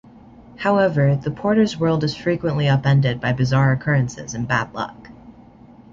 However, the Porters' world is frequently upended by bizarre occurrences and bad luck.